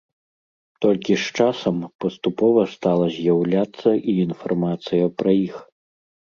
Толькі з часам паступова стала з'яўляцца і інфармацыя пра іх.